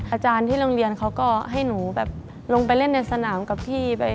อาจารย์ที่โรงเรียนเขาก็ให้หนูแบบลงไปเล่นในสนามกับพี่ไป